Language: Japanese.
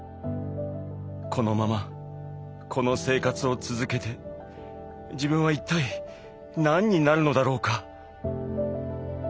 「このままこの生活を続けて自分は一体何になるのだろうか」。